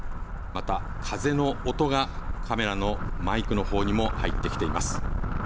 また風の音がカメラのマイクのほうにも入ってきています。